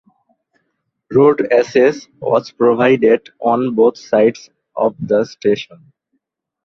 Road access was provided on both sides of the station.